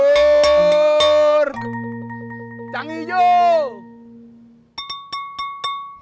kira kira bapak bunga itu beneran pacaran